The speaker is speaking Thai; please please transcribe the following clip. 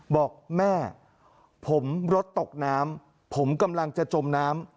บอกแม่ผมรถตกน้ำผมกำลังจะจมน้ำ